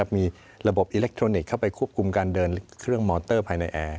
มีระบบอิเล็กทรอนิกส์เข้าไปควบคุมการเดินเครื่องมอเตอร์ภายในแอร์